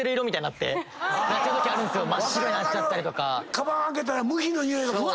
かばん開けたらムヒのにおいがぶわ！